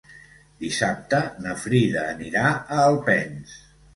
Dissabte na Frida anirà a Alpens.